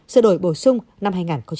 sự đổi bổ sung năm hai nghìn một mươi bảy